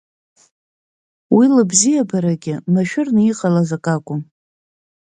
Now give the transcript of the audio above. Уи лыбзиабарагьы машәырны иҟалаз ак акәым.